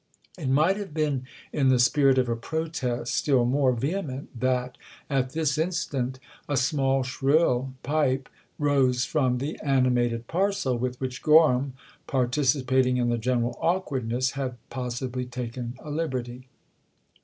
It might have been in the spirit of a protest still more vehement that, at this instant, a small shrill pipe rose from the animated parcel with which Gorham, participating in the general awkwardness, had possibly taken a liberty.